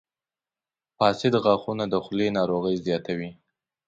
• فاسد غاښونه د خولې ناروغۍ زیاتوي.